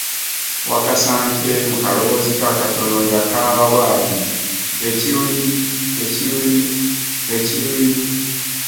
Wakasanke mu kaloboozi ke akatono yakaaba bw’ati, “Ekiruyi, ekiruyi, ekiruyi.”